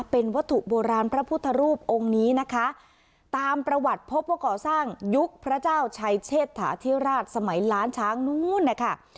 เป็นวัตถุโบราณพระพุทธรูปองค์นี้นะคะตามประวัติพบว่าก่อสร้างยุคพระเจ้าชัยเชษฐาธิราชสมัยล้านช้างนู้นนะคะ